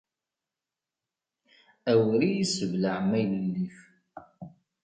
Awer iy-issebleɛ maylellif.